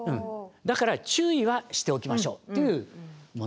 だから注意はしておきましょうっていうものなんです。